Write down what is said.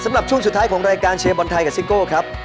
ช่วงสุดท้ายของรายการเชียร์บอลไทยกับซิโก้ครับ